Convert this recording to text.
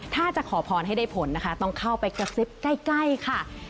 ถ้าจะขอพรให้ได้ผลนะคะต้องเข้าไปกระซิบใกล้ค่ะ